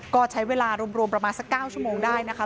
ก็ใช้เวลารวมประมาณสัก๙ชั่วโมงได้นะคะ